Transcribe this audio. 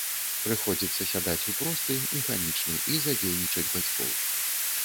Прыходзіцца сядаць у просты, механічны і задзейнічаць бацькоў.